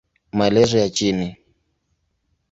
Maelezo ya chini